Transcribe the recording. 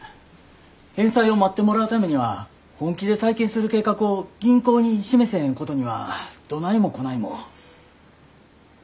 返済を待ってもらうためには本気で再建する計画を銀行に示せへんことにはどないもこないも。